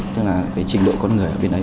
tức là cái trình độ con người ở bên ấy